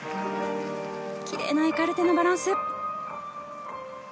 キレイなエカルテのバランス。